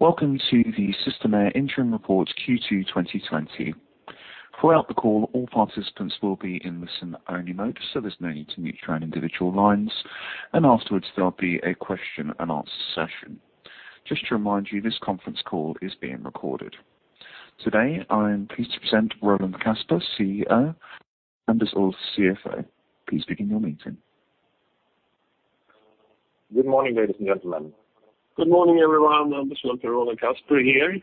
Welcome to the Systemair Interim Report Q2 2020. Throughout the call, all participants will be in listen-only mode, so there's no need to mute your own individual lines. Afterwards, there'll be a question-and-answer session. Just to remind you, this conference call is being recorded. Today, I'm pleased to present Roland Kasper, CEO, Anders Ulff, CFO. Please begin your meeting. Good morning, ladies and gentlemen. Good morning, everyone. I'm with Mr. Roland Kasper here.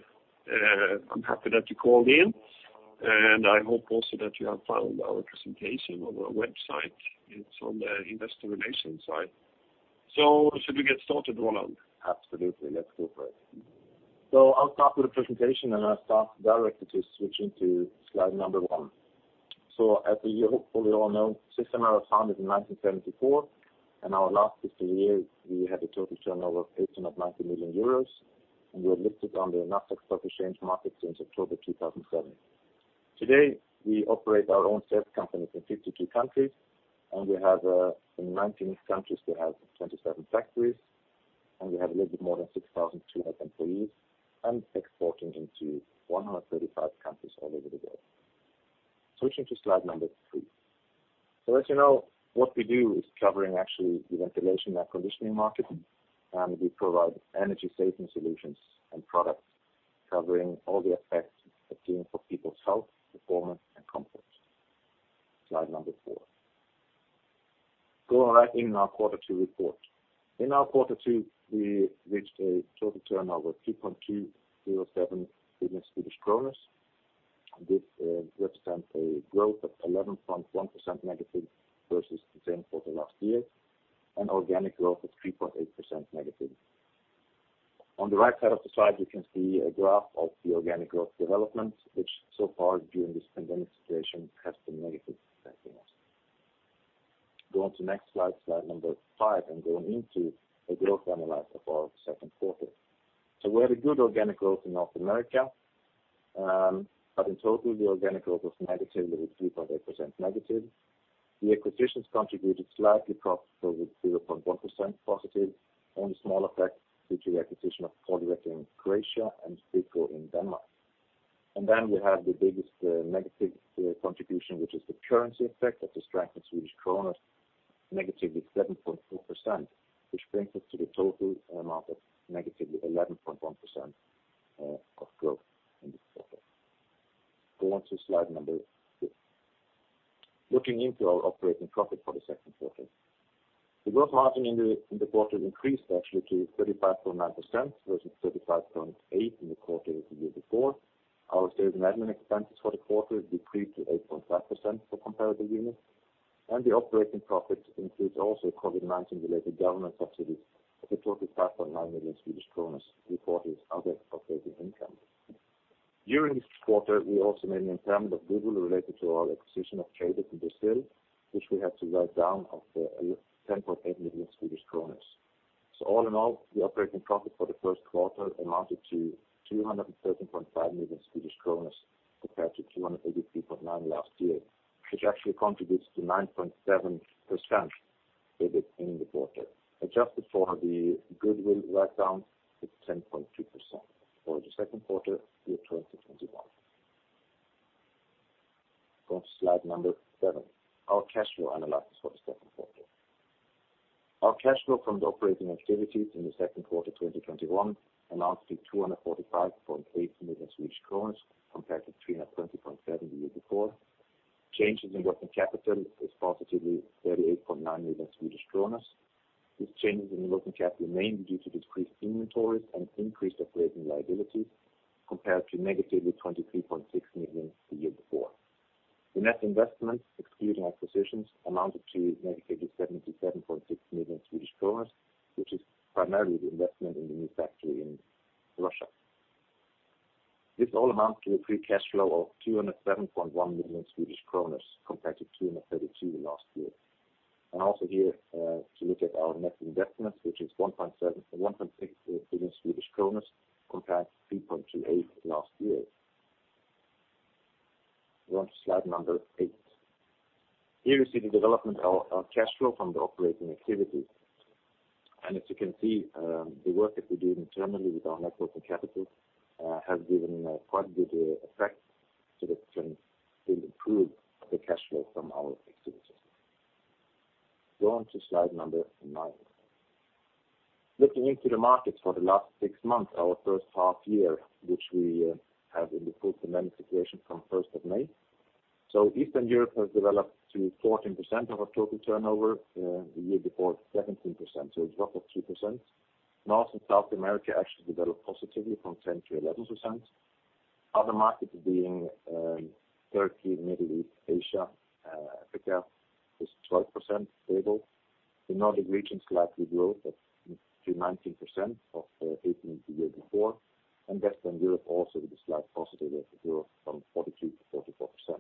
I'm happy that you called in, and I hope also that you have found our presentation on our website. It's on the Investor Relations side. So should we get started, Roland? Absolutely. Let's go for it. So I'll start with the presentation, and I'll start directly to switch into slide number one. So as you hopefully all know, Systemair was founded in 1974, and over the last 50 years, we had a total turnover of 890 million euros, and we were listed on the Nasdaq Stock Exchange market since October 2007. Today, we operate our own sales companies in 52 countries, and we have in 19 countries, we have 27 factories, and we have a little bit more than 6,200 employees and exporting into 135 countries all over the world. Switching to slide number three. So as you know, what we do is covering actually the ventilation and air conditioning market, and we provide energy-saving solutions and products covering all the aspects of dealing for people's health, performance, and comfort. Slide number four. Going right in our quarter two report. In our quarter two, we reached a total turnover of 2.207 million Swedish kronor. This represents a growth of 11.1% negative versus the same quarter last year and organic growth of 3.8% negative. On the right side of the slide, you can see a graph of the organic growth development, which so far during this pandemic situation has been negative for us. Going to the next slide, slide number five, and going into the growth analysis of our second quarter. So we had a good organic growth in North America, but in total, the organic growth was negative, with 3.8% negative. The acquisitions contributed slightly, but were 0.1% positive, only small effect due to the acquisition of Poly-Rek in Croatia and Frico in Denmark. Then we have the biggest negative contribution, which is the currency effect of the strength of Swedish krona, negatively 7.4%, which brings us to the total amount of -11.1% of growth in this quarter. Going to slide number six. Looking into our operating profit for the second quarter, the gross margin in the quarter increased actually to 35.9% versus 35.8% in the quarter of the year before. Our sales and admin expenses for the quarter decreased to 8.5% for comparable units, and the operating profit includes also COVID-19-related government subsidies of a total of 5.9 million, reported as operating income. During this quarter, we also made an impairment of goodwill related to our acquisition of Traydus in Brazil, which we had to write down of 10.8 million Swedish kronor. So all in all, the operating profit for the first quarter amounted to 213.5 million Swedish kronor compared to 283.9 million last year, which actually contributes to 9.7% in the quarter. Adjusted for the goodwill write-down, it's 10.2% for the second quarter, year 2021. Going to slide number seven, our cash flow analysis for the second quarter. Our cash flow from the operating activities in the second quarter 2021 amounts to 245.8 million Swedish kronor compared to 320.7 million the year before. Changes in working capital is positively 38.9 million Swedish kronor. These changes in working capital mainly due to decreased inventories and increased operating liabilities compared to negative 23.6 million the year before. The net investment, excluding acquisitions, amounted to negative 77.6 million Swedish kronor, which is primarily the investment in the new factory in Russia. This all amounts to a free cash flow of 207.1 million Swedish kronor compared to 232 million last year. And also here to look at our net investments, which is 1.6 billion Swedish kronor compared to 3.28 billion last year. Going to slide number eight. Here you see the development of our cash flow from the operating activities. And as you can see, the work that we're doing internally with our working capital has given quite a good effect so that we can still improve the cash flow from our activities. Going to slide number nine. Looking into the markets for the last six months, our first half year, which we have in the full pandemic situation from 1st of May. So Eastern Europe has developed to 14% of our total turnover the year before, 17%, so a drop of 2%. North and South America actually developed positively from 10% to 11%. Other markets being Turkey, Middle East, Asia, Africa, is 12% stable. The Nordic regions slight growth to 19% from 18% the year before. Western Europe also with a slight positive growth from 43% to 44%.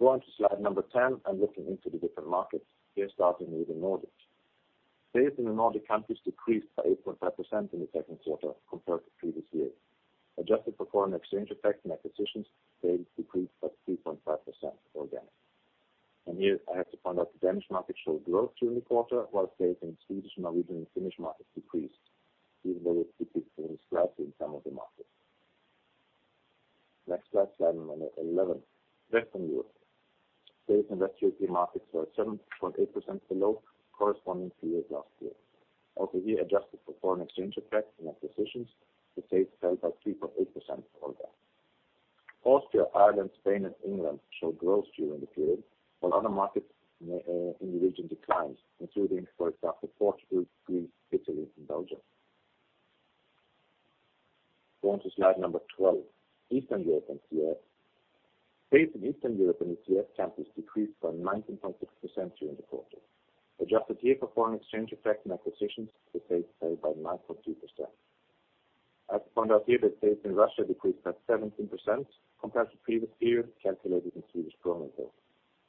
Going to slide number 10 and looking into the different markets, here starting with the Nordics. Sales in the Nordic countries decreased by 8.5% in the second quarter compared to previous year. Adjusted for foreign exchange effect and acquisitions, sales decreased by 3.5% organic. Here I have to point out the Danish market showed growth during the quarter, while sales in Swedish, Norwegian, and Finnish markets decreased, even though it decreased only slightly in some of the markets. Next slide, slide number 11. Western Europe. Sales in Western European markets were 7.8% below, corresponding to last year. Also here, adjusted for foreign exchange effect and acquisitions, the sales fell by 3.8% for that. Austria, Ireland, Spain, and England showed growth during the period, while other markets in the region declined, including, for example, Portugal, Greece, Italy, and Belgium. Going to slide number 12. Eastern Europe and CIS. Sales in Eastern Europe and the CIS countries decreased by 19.6% during the quarter. Adjusted here for foreign exchange effect and acquisitions, the sales fell by 9.2%. As you found out here, the sales in Russia decreased by 17% compared to previous year calculated in Swedish krona though.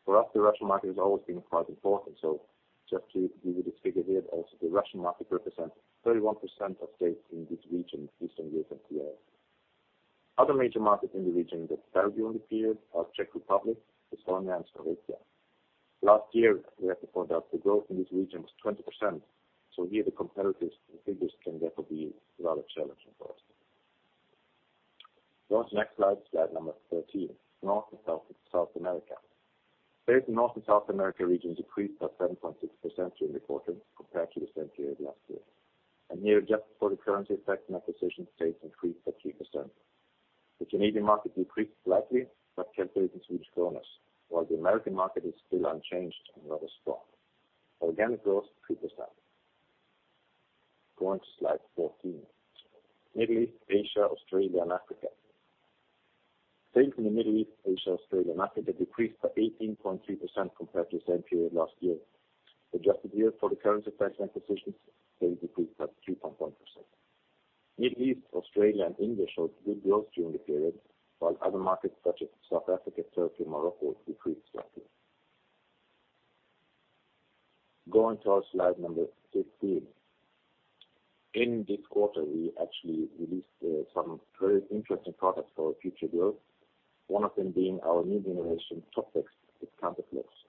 For us, the Russian market has always been quite important, so just to give you this figure here, also the Russian market represents 31% of sales in this region, Eastern Europe and CIS. Other major markets in the region that fell during the period are Czech Republic, Estonia, and Slovakia. Last year, we had to point out the growth in this region was 20%, so here the comparative figures can therefore be rather challenging for us. Going to the next slide, slide number 13. North and South America. Sales in North and South America region decreased by 7.6% during the quarter compared to the same period last year. And here, adjusted for the currency effect and acquisitions, sales increased by 3%. The Canadian market decreased slightly but calculated in Swedish krona, while the American market is still unchanged and rather strong. Organic growth 3%. Going to slide 14. Middle East, Asia, Australia, and Africa. Sales in the Middle East, Asia, Australia, and Africa decreased by 18.3% compared to the same period last year. Adjusted here for the currency effect and acquisitions, sales decreased by 3.1%. Middle East, Australia, and India showed good growth during the period, while other markets such as South Africa, Turkey, and Morocco decreased slightly. Going to our slide number 15. In this quarter, we actually released some very interesting products for our future growth, one of them being our new generation Topvex counterflow units.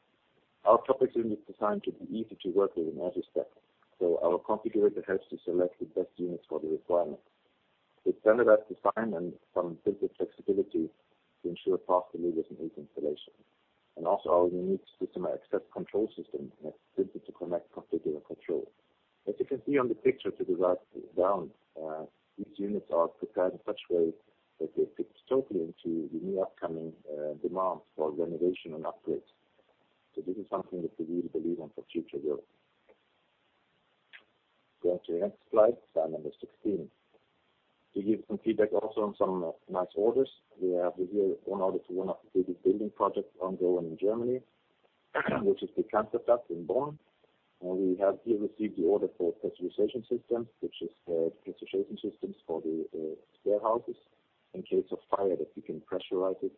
Our Topvex unit is designed to be easy to work with in every step, so our configurator helps you select the best units for the requirements. It's standardized design and some built-in flexibility to ensure a fast delivery and easy installation. And also our unique Systemair Access control system makes it simple to connect configurator control. As you can see on the picture to the right down, these units are prepared in such way that they fit totally into the new upcoming demand for renovation and upgrades. So this is something that we really believe in for future growth. Going to the next slide, slide number 16. To give you some feedback also on some nice orders, we have here one order to one of the biggest building projects ongoing in Germany, which is the Kanzlerplatz in Bonn. And we have here received the order for pressurization systems, which is the pressurization systems for the stairwells in case of fire that you can pressurize it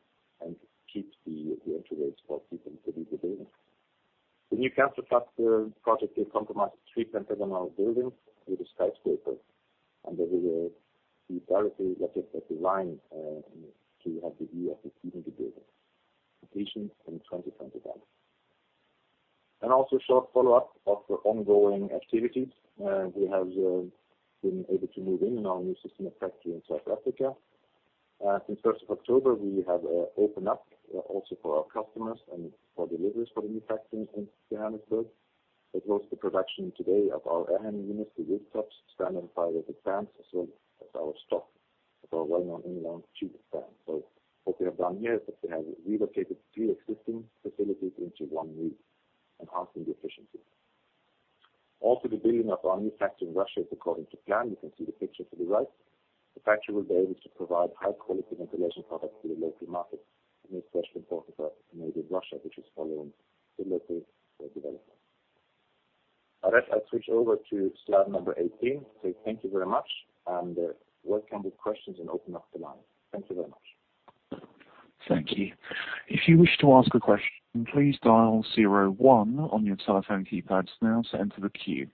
and keep the entryways for people to leave the building. The new Kanzlerplatz project will comprise three pentagonal buildings with a skyscraper, and there will be directly what is designed to have the view of the Rhine and the Siebengebirge. Completion in 2021. And also a short follow-up of the ongoing activities. We have been able to move in our new Systemair factory in South Africa. Since 1st of October, we have opened up also for our customers and for deliveries for the new factory in Johannesburg, as well as the production today of our air handling units, the rooftops, standard and fire-rated fans, as well as our stock of our well-known in-line tube fans. So what we have done here is that we have relocated three existing facilities into one new and half the efficiency. Also the building of our new factory in Russia is according to plan. You can see the picture to the right. The factory will be able to provide high-quality ventilation products to the local markets, and it's especially important for us to move in Russia, which is following the local developer. I'd like to switch over to slide number 18. So thank you very much, and welcome with questions and open up the line. Thank you very much. Thank you. If you wish to ask a question, please dial zero and one on your telephone keypad now to enter the queue.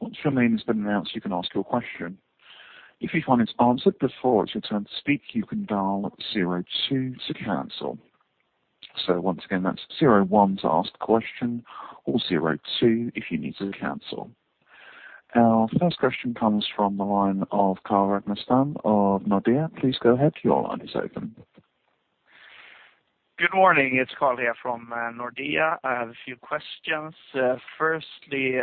Once your name has been announced, you can ask your question. If you find it's answered before it's your turn to speak, you can dial zero and two to cancel. So once again, that's zero and one to ask a question or zero and two if you need to cancel. Our first question comes from the line of Carl Ragnerstam of Nordea. Please go ahead. Your line is open. Good morning. It's Carl from Nordea. I have a few questions. Firstly,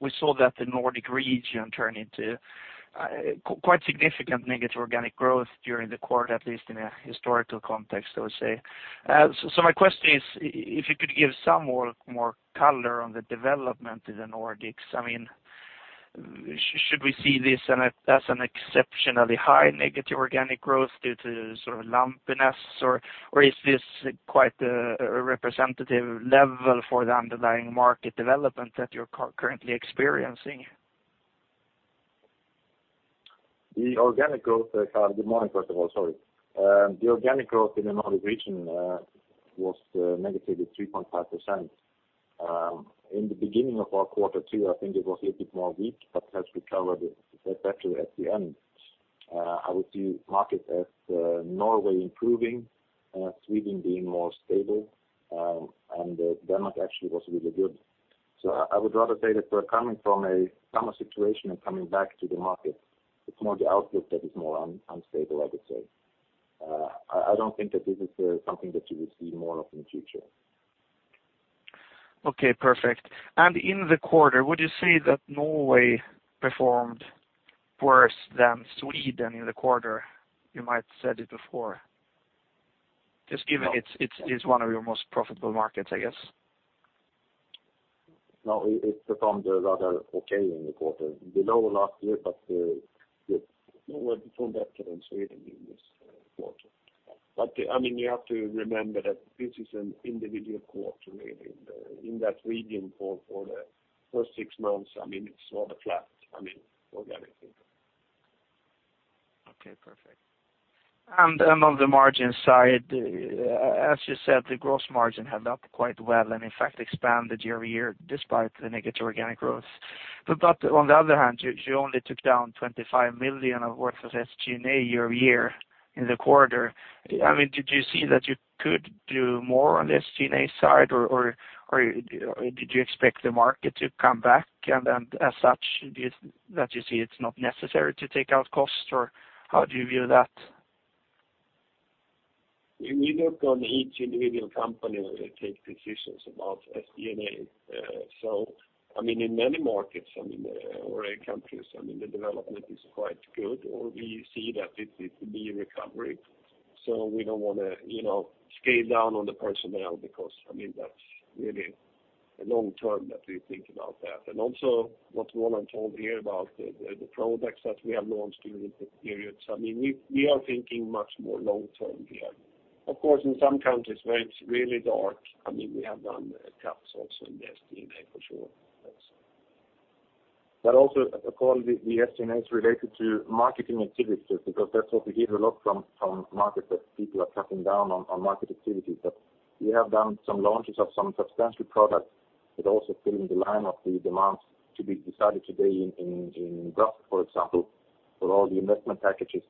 we saw that the Nordic region turned into quite significant negative organic growth during the quarter, at least in a historical context, I would say. So my question is, if you could give some more color on the development in the Nordics, I mean, should we see this as an exceptionally high negative organic growth due to sort of lumpiness, or is this quite a representative level for the underlying market development that you're currently experiencing? The organic growth, Carl. Good morning, first of all. Sorry. The organic growth in the Nordic region was -3.5%. In the beginning of our quarter two, I think it was a little bit more weak, but has recovered better at the end. I would see markets as Norway improving, Sweden being more stable, and Denmark actually was really good. So I would rather say that we're coming from a summer situation and coming back to the market. It's more the outlook that is more unstable, I would say. I don't think that this is something that you will see more of in the future. Okay, perfect and in the quarter, would you say that Norway performed worse than Sweden in the quarter? You might have said it before. Just given it's one of your most profitable markets, I guess. No, it performed rather okay in the quarter. Below last year, but it was much better than Sweden in this quarter. But I mean, you have to remember that this is an individual quarter, really. In that region for the first six months, I mean, it's rather flat, I mean, organically. Okay, perfect. And then on the margin side, as you said, the gross margin held up quite well and, in fact, expanded year to year despite the negative organic growth. But on the other hand, you only took down 25 million worth of SG&A year-on-year in the quarter. I mean, did you see that you could do more on the SG&A side, or did you expect the market to come back? And then as such, that you see it's not necessary to take out costs, or how do you view that? We look on each individual company when we take decisions about SG&A. So I mean, in many markets, I mean, or countries, I mean, the development is quite good, or we see that it's a new recovery. So we don't want to scale down on the personnel because, I mean, that's really long-term that we think about that. And also what Roland told here about the products that we have launched during the period, so I mean, we are thinking much more long-term here. Of course, in some countries where it's really dark, I mean, we have done cuts also in the SG&A for sure. But also, Carl, the SG&A is related to marketing activities because that's what we hear a lot from markets that people are cutting down on market activities. But we have done some launches of some substantial products that also fill in the line of the demands to be decided today in Brussels, for example, for all the investment packages.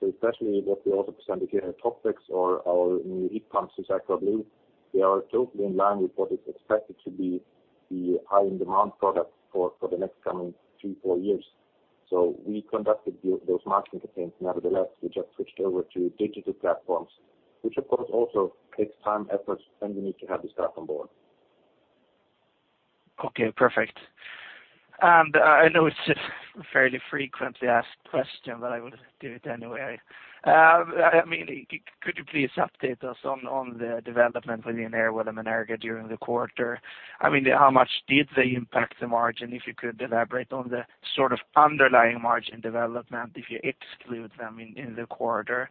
So especially what we also presented here, Topvex or our new heat pumps, SYSAQUA BLUE, they are totally in line with what is expected to be the high-end demand product for the next coming three, four years. So we conducted those marketing campaigns nevertheless. We just switched over to digital platforms, which of course also takes time, effort, and you need to have the staff on board. Okay, perfect. And I know it's a fairly frequently asked question, but I will do it anyway. I mean, could you please update us on the development within Airwell & Menerga during the quarter? I mean, how much did they impact the margin? If you could elaborate on the sort of underlying margin development if you exclude them in the quarter.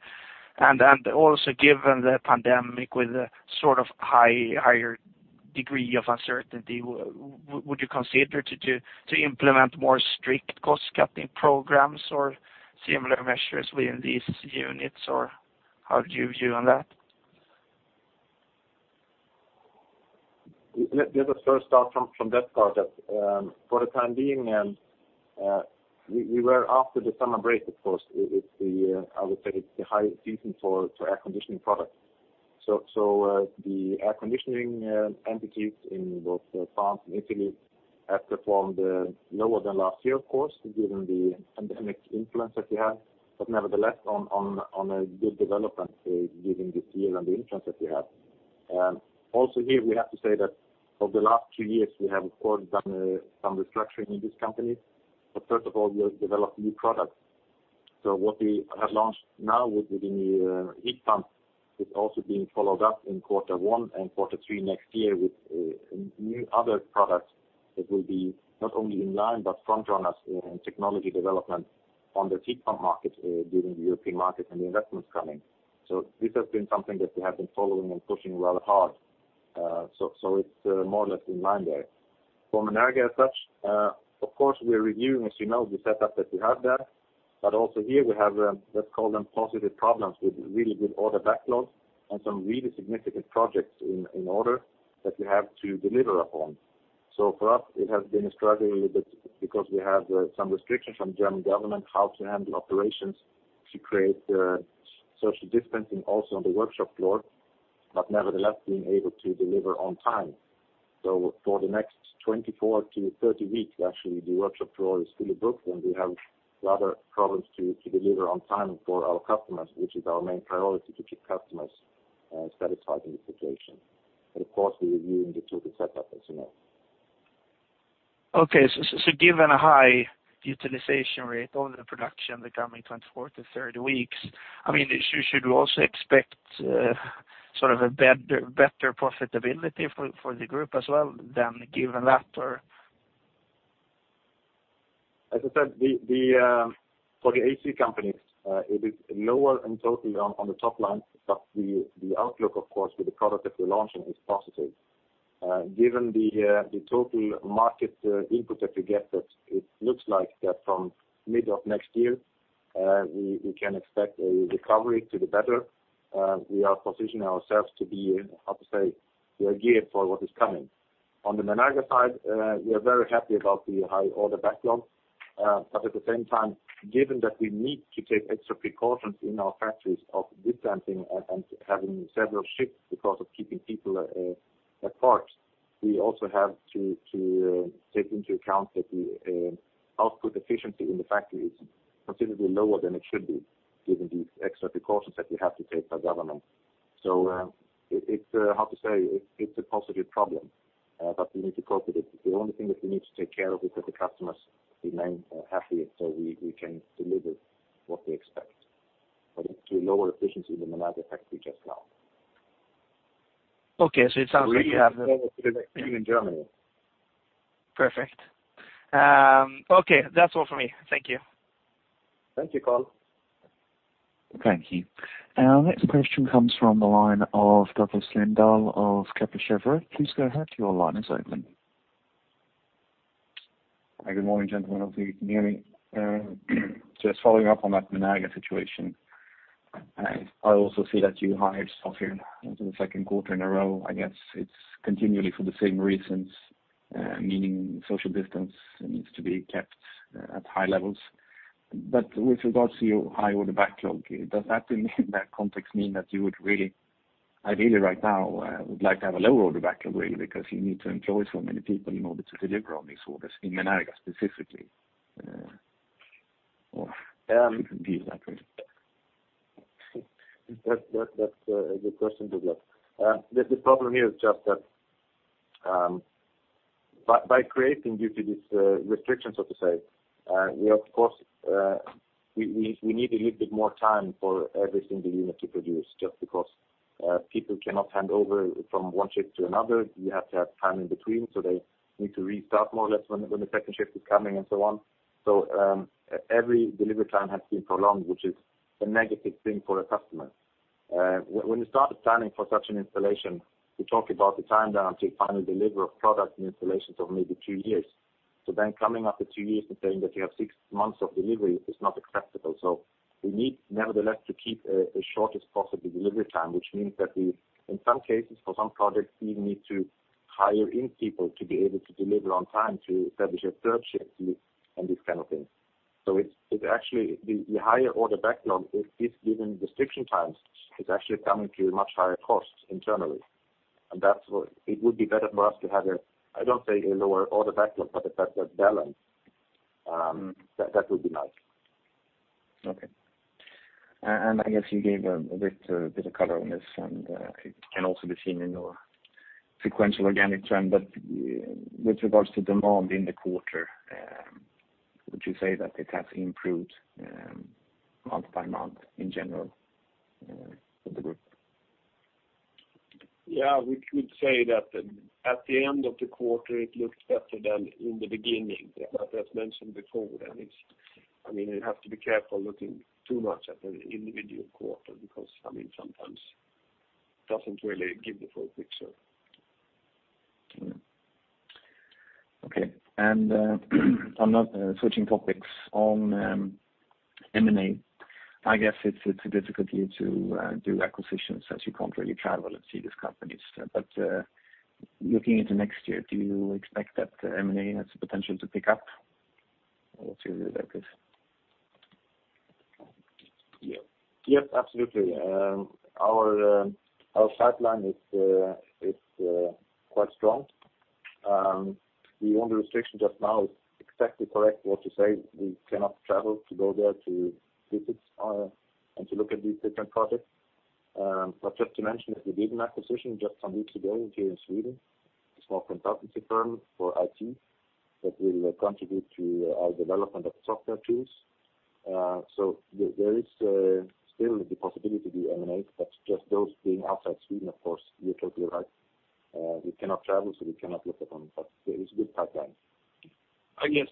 And also given the pandemic with a sort of higher degree of uncertainty, would you consider to implement more strict cost-cutting programs or similar measures within these units, or how do you view on that? Let me first start from that part. For the time being, we were after the summer break, of course. I would say it's the high season for air conditioning products. So the air conditioning entities in both France and Italy have performed lower than last year, of course, given the pandemic influence that we have. But nevertheless, on a good development given this year and the influence that we have. Also here, we have to say that over the last two years, we have, of course, done some restructuring in these companies. But first of all, we have developed new products. So what we have launched now with the new heat pumps is also being followed up in quarter one and quarter three next year with new other products that will be not only in line but front-runners in technology development on the heat pump market during the European market and the investments coming. So this has been something that we have been following and pushing rather hard. So it's more or less in line there. For Menerga as such, of course, we are reviewing, as you know, the setup that we have there. But also here, we have what's called positive problems with really good order backlogs and some really significant projects in order that we have to deliver upon. For us, it has been a struggle a little bit because we have some restrictions from the German government how to handle operations to create social distancing also on the workshop floor, but nevertheless being able to deliver on time. For the next 24-30 weeks, actually, the workshop floor is fully booked, and we have rather problems to deliver on time for our customers, which is our main priority to keep customers satisfied in this situation. But of course, we're reviewing the total setup, as you know. Okay. So given a high utilization rate of the production in the coming 24-30 weeks, I mean, should we also expect sort of a better profitability for the group as well then given that, or? As I said, for the AC companies, it is lower and totally on the top line, but the outlook, of course, with the product that we're launching is positive. Given the total market input that we get, it looks like that from mid of next year, we can expect a recovery to the better. We are positioning ourselves to be, how to say, we are geared for what is coming. On the Menerga side, we are very happy about the high order backlog. But at the same time, given that we need to take extra precautions in our factories of distancing and having several shifts because of keeping people apart, we also have to take into account that the output efficiency in the factory is considerably lower than it should be given these extra precautions that we have to take by government. So it's, how to say, it's a positive problem, but we need to cope with it. The only thing that we need to take care of is that the customers remain happy so we can deliver what they expect. But it's to a lower efficiency in the Menerga factory just now. Okay, so it sounds like you have the. The same is true in Germany. Perfect. Okay. That's all for me. Thank you. Thank you, Carl. Thank you. Our next question comes from the line of Douglas Lindahl of Kepler Cheuvreux. Please go ahead. Your line is open. Hi, good morning, gentlemen. Hopefully, you can hear me. Just following up on that Menerga situation. I also see that you hired off here into the second quarter in a row. I guess it's continually for the same reasons, meaning social distance needs to be kept at high levels. But with regards to your high order backlog, does that in that context mean that you would really, ideally right now, would like to have a lower order backlog, really, because you need to employ so many people in order to deliver on these orders in Menerga specifically? Or should we view that, really? That's a good question, Douglas. The problem here is just that by creating, due to these restrictions, so to say, we, of course, we need a little bit more time for every single unit to produce just because people cannot hand over from one shift to another. You have to have time in between, so they need to restart more or less when the second shift is coming and so on. So every delivery time has been prolonged, which is a negative thing for a customer. When you started planning for such an installation, we talked about the time down to final delivery of product and installations of maybe two years. So then coming after two years and saying that you have six months of delivery is not acceptable. So we need nevertheless to keep a shortest possible delivery time, which means that we, in some cases, for some projects, even need to hire in people to be able to deliver on time to establish a third shift and these kind of things. So it's actually the higher order backlog, if given restriction times, is actually coming to a much higher cost internally. And it would be better for us to have a, I don't say a lower order backlog, but a better balance. That would be nice. Okay. And I guess you gave a bit of color on this, and it can also be seen in your sequential organic trend. But with regards to demand in the quarter, would you say that it has improved month by month in general for the group? Yeah, we could say that at the end of the quarter, it looked better than in the beginning, as mentioned before, and I mean, you have to be careful looking too much at an individual quarter because, I mean, sometimes it doesn't really give the full picture. Okay. And I'm now switching topics on M&A. I guess it's a difficulty to do acquisitions as you can't really travel and see these companies. But looking into next year, do you expect that M&A has the potential to pick up? What's your view about this? Yes, absolutely. Our pipeline is quite strong. The only restriction just now is exactly correct, what you say. We cannot travel to go there to visit and to look at these different projects. But just to mention, we did an acquisition just some weeks ago here in Sweden, a small consultancy firm for IT that will contribute to our development of software tools. So there is still the possibility to do M&A, but just those being outside Sweden, of course. You're totally right. We cannot travel, so we cannot look at them. But it's a good pipeline. I guess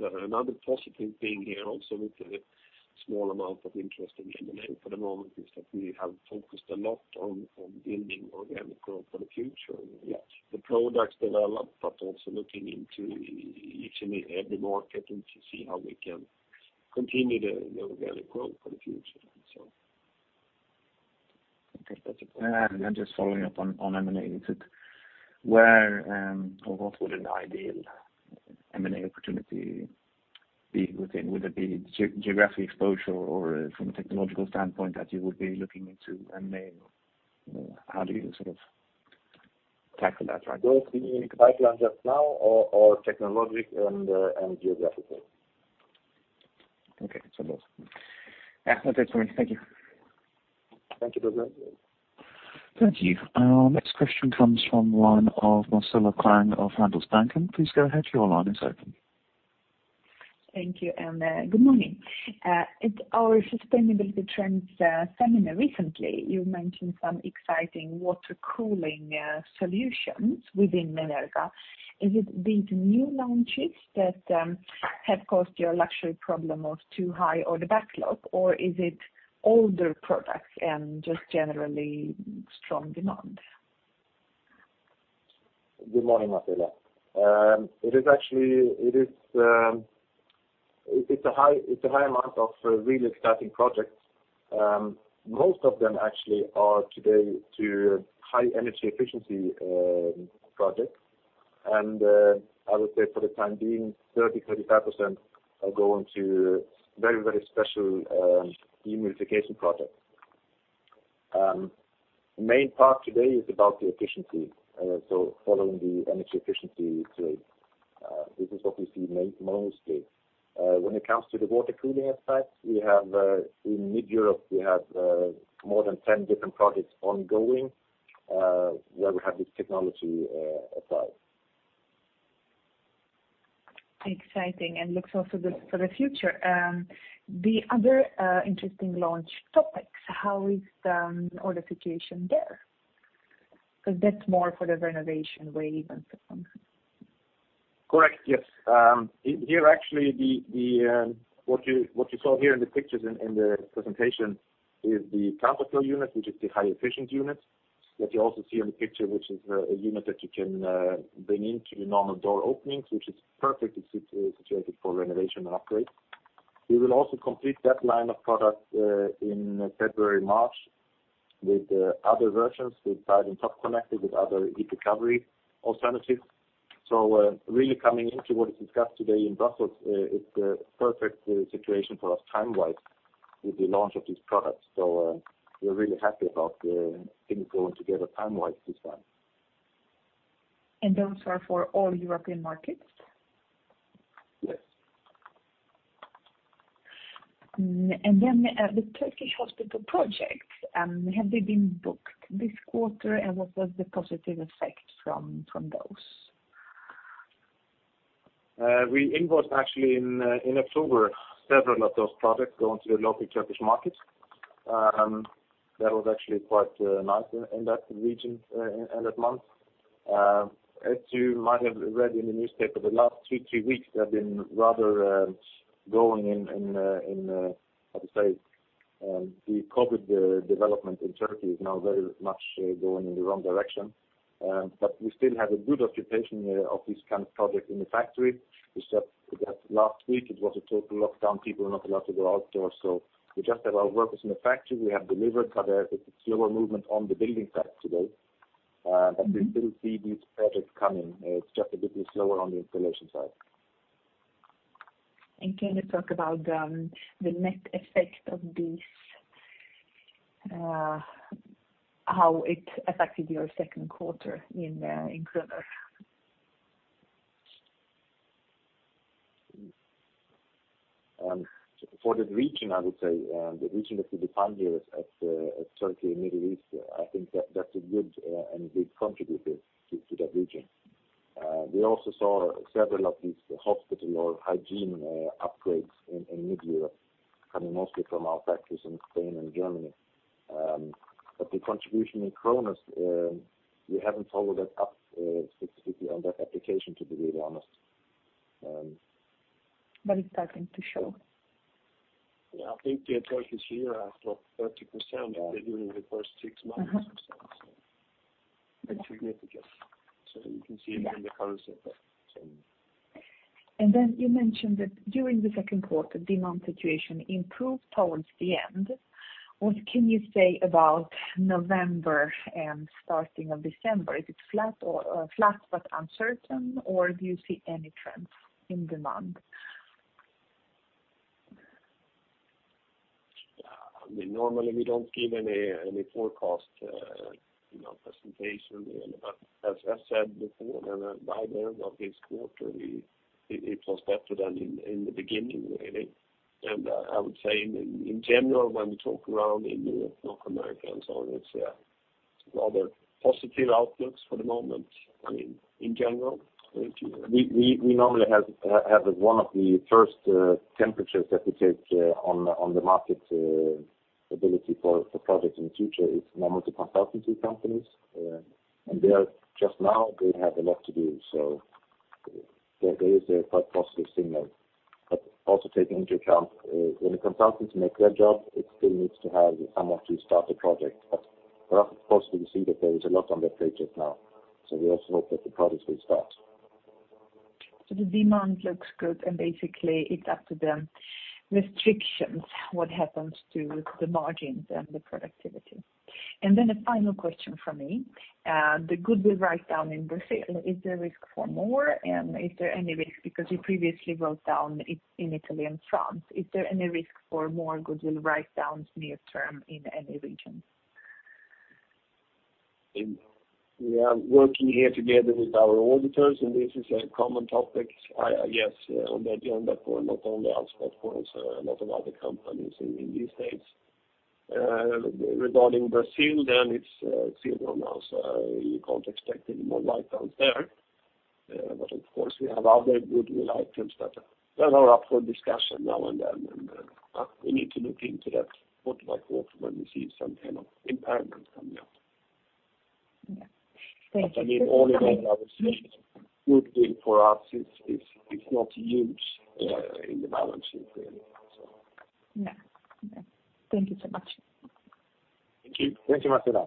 another positive thing here, also with the small amount of interest in M&A for the moment, is that we have focused a lot on building organic growth for the future. The products developed, but also looking into each and every market and to see how we can continue the organic growth for the future, so. Okay. And just following up on M&A, is it where or what would an ideal M&A opportunity be within? Would it be geographic exposure or from a technological standpoint that you would be looking into M&A? How do you sort of tackle that? Both the unique pipeline just now or technological and geographical. Okay. So both. Yeah. That's it for me. Thank you. Thank you, Douglas. Thank you. Our next question comes from the line of [Marcel Klein of SEB Enskilda]. Please go ahead. Your line is open. Thank you and good morning. At our sustainability trends seminar recently, you mentioned some exciting water cooling solutions within Menerga. Is it these new launches that have caused your luxury problem of too high order backlog, or is it older products and just generally strong demand? Good morning, Marcela. It is actually a high amount of really exciting projects. Most of them actually are today high energy efficiency projects. I would say for the time being, 30%-35% are going to very special dehumidification projects. The main part today is about the efficiency. Following the energy efficiency trend, this is what we see mostly. When it comes to the water-cooling aspect, we have in Central Europe more than 10 different projects ongoing where we have this technology applied. Exciting and looks also good for the future. The other interesting launch topics, how is the order situation there? Because that's more for the renovation wave and so on. Correct. Yes. Here, actually, what you saw here in the pictures in the presentation is the counterflow unit, which is the high-efficient unit that you also see in the picture, which is a unit that you can bring into the normal door openings, which is perfectly situated for renovation and upgrade. We will also complete that line of product in February, March with other versions with side and top connectors, with other heat recovery alternatives. So really coming into what is discussed today in Brussels, it's a perfect situation for us time-wise with the launch of these products. So we're really happy about things going together time-wise this time. Those are for all European markets? Yes. And then the Turkish hospital projects, have they been booked this quarter, and what was the positive effect from those? We invoiced actually in October several of those projects going to the local Turkish market. That was actually quite nice in that region and that month. As you might have read in the newspaper, the last two, three weeks have been rather going in, how to say, the wrong direction. The COVID development in Turkey is now very much going in the wrong direction. But we still have a good occupation of these kind of projects in the factory. It's just that last week, it was a total lockdown. People were not allowed to go outdoors. So we just have our workers in the factory. We have delivered, but there is slower movement on the building side today. But we still see these projects coming. It's just a bit slower on the installation side. Can you talk about the net effect of these, how it affected your second quarter in Europe? For the region, I would say, the region that we defined here as Turkey and Middle East, I think that's a good and big contributor to that region. We also saw several of these hospital or hygiene upgrades in Mid-Europe coming mostly from our factories in Spain and Germany. But the contribution in krona, we haven't followed that up specifically on that application, to be really honest. But it's starting to show. Yeah. I think their total share has dropped 30% during the first six months or so. It's significant. So you can see it in the current sector. And then you mentioned that during the second quarter, demand situation improved towards the end. What can you say about November and starting of December? Is it flat but uncertain, or do you see any trends in demand? Normally, we don't give any forecast presentation. As I said before, by the end of this quarter, it was better than in the beginning, really, and I would say in general, when we talk around in Europe, North America, and so on, it's rather positive outlooks for the moment. I mean, in general. We normally have one of the first temperatures that we take on the marketability for projects in the future. Normally to consultancy companies. And just now, they have a lot to do, so there is a quite positive signal, but also taking into account when the consultants make their job, it still needs to have someone to start the project, but for us, it's possible to see that there is a lot on their plate just now, so we also hope that the projects will start. The demand looks good, and basically, it's up to the restrictions what happens to the margins and the productivity. A final question from me. The goodwill write-down in Brazil, is there risk for more? Is there any risk because you previously wrote down in Italy and France? Is there any risk for more goodwill write-downs near-term in any region? We are working here together with our auditors, and this is a common topic, I guess, on that point, not only us, but also a lot of other companies in these states. Regarding Brazil, then it's zero now. So you can't expect any more write-downs there. But of course, we have other goodwill items that are up for discussion now and then, and we need to look into that quarter by quarter when we see some kind of impairment coming up. Okay. Thank you. But I mean, all in all, I would say goodwill for us is not huge in the balance sheet here, so. Yeah. Okay. Thank you so much. Thank you. Thank you, Marcela.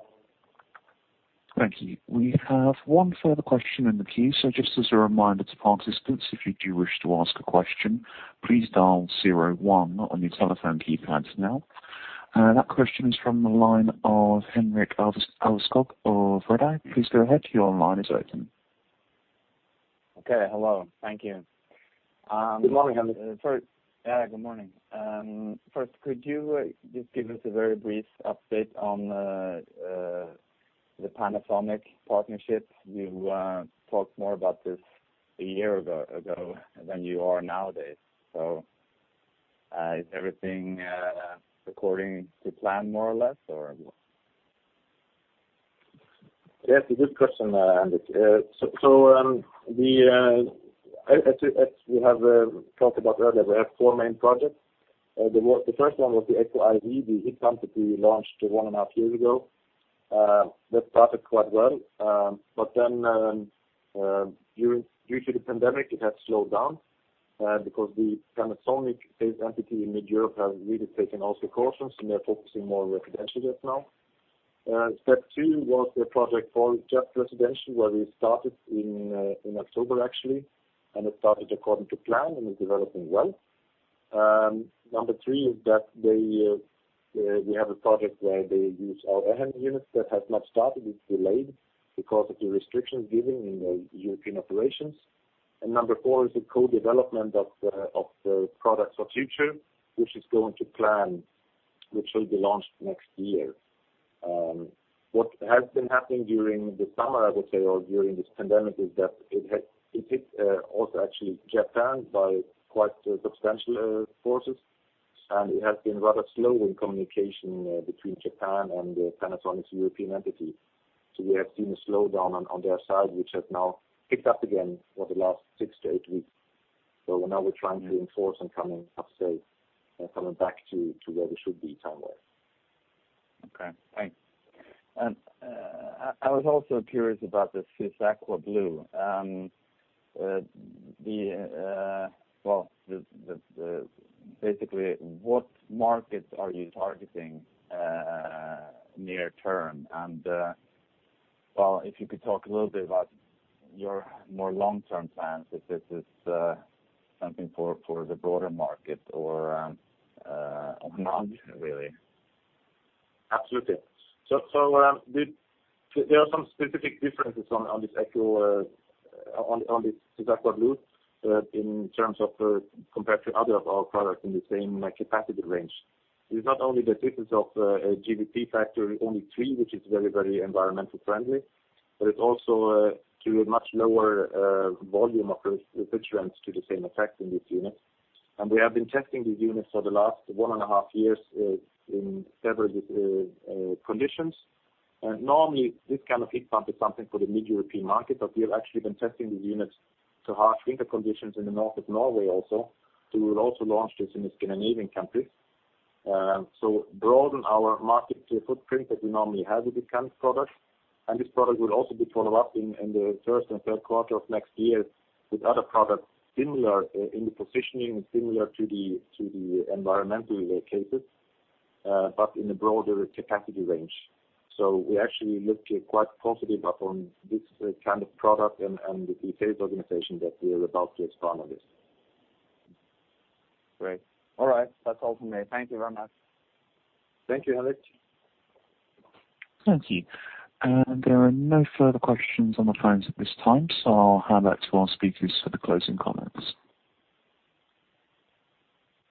Thank you. We have one further question in the queue. So just as a reminder to participants, if you do wish to ask a question, please dial zero one on your telephone keypad now. That question is from the line of Henrik Alveskog of Redeye. Please go ahead. Your line is open. Okay. Hello. Thank you. Good morning, Henrik. Good morning. First, could you just give us a very brief update on the Panasonic partnership? You talked more about this a year ago than you are nowadays. So is everything according to plan more or less, or? Yes, it's a good question, Henrik. So as we have talked about earlier, we have four main projects. The first one was the ECOi-W, the heat pump that we launched one and a half years ago. That started quite well. But then due to the pandemic, it has slowed down because the Panasonic-based entity in Mid-Europe has really taken those precautions, and they're focusing more on residential just now. Step two was the project for just residential, where we started in October, actually. And it started according to plan, and it's developing well. Number three is that we have a project where they use our EHEM units that has not started. It's delayed because of the restrictions given in the European operations. And number four is the co-development of the product for future, which is going to plan, which will be launched next year. What has been happening during the summer, I would say, or during this pandemic, is that it hit also actually Japan by quite substantial forces, and it has been rather slow in communication between Japan and Panasonic's European entity, so we have seen a slowdown on their side, which has now picked up again for the last six to eight weeks, so now we're trying to enforce and come back to where we should be time-wise. Okay. Thanks, and I was also curious about this SYSAQUA BLUE. Well, basically, what markets are you targeting near-term, and well, if you could talk a little bit about your more long-term plans, if this is something for the broader market or not, really? Absolutely. So there are some specific differences on this SYSAQUA BLUE in terms of compared to other of our products in the same capacity range. It is not only the difference of a GWP factor, only three, which is very, very environmental-friendly, but it's also to a much lower volume of refrigerants to the same effect in these units. And we have been testing these units for the last one and a half years in several conditions. And normally, this kind of heat pump is something for the Mid-European market, but we have actually been testing these units to harsh winter conditions in the north of Norway also. So we will also launch this in the Scandinavian countries. So broaden our market footprint that we normally have with this kind of product. And this product will also be followed up in the first and third quarter of next year with other products similar in the positioning and similar to the environmental cases, but in a broader capacity range. So we actually look quite positive upon this kind of product and the sales organization that we are about to expand on this. Great. All right. That's all from me. Thank you very much. Thank you, Henrik. Thank you. And there are no further questions on the phones at this time, so I'll hand back to our speakers for the closing comments.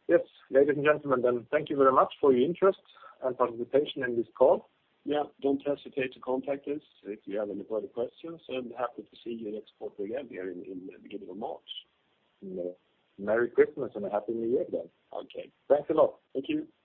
Yes, ladies and gentlemen, then thank you very much for your interest and participation in this call. Yeah. Don't hesitate to contact us if you have any further questions. And happy to see you next quarter again here in the beginning of March. Merry Christmas and a Happy New Year then. Okay. Thanks a lot. Thank you. Bye.